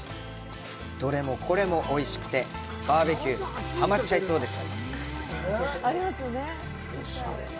どれもこれもおいしくてバーベキュー、ハマっちゃいそうです。